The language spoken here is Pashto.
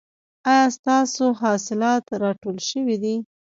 ایا ستاسو حاصلات راټول شوي دي؟